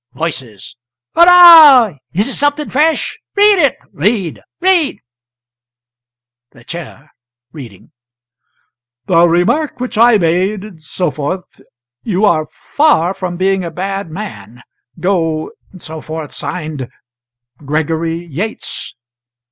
Voices. "Hurrah! Is it something fresh? Read it! read! read!" The Chair [reading]. "'The remark which I made,' etc. 'You are far from being a bad man. Go,' etc. Signed, 'Gregory Yates.'"